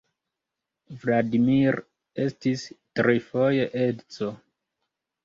Vladimir estis trifoje edzo.